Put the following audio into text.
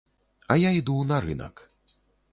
А я іду на рынак.